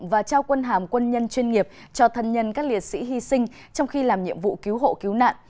và trao quân hàm quân nhân chuyên nghiệp cho thân nhân các liệt sĩ hy sinh trong khi làm nhiệm vụ cứu hộ cứu nạn